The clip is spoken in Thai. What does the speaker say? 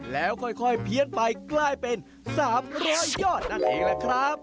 แล้วค่อยเพี้ยนไปใกล้เป็นสามร้อยยอดนั่นเองแหละครับ